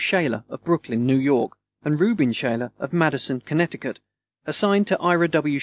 Shaler, of Brooklyn, New York, and Reuben Shaler, of Madison, Connecticut, assigned to Ira W.